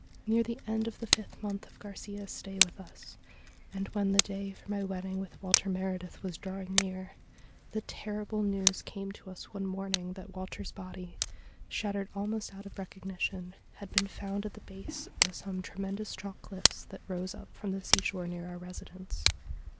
' Near the end of the fifth month of Garcia's stay with us, 224 STORIES WEIRD AND WONDERFUL and when the day for my wedding with Walter Meredith was drawing near, the terrible news came to us one morning that Walter's body, shattered almost out of recognition, had been found at the base of some tremendous chalk cliffs that rose up horn the seashore near our residence.